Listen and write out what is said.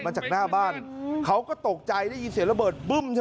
มาจากหน้าบ้านเขาก็ตกใจได้ยินเสียงระเบิด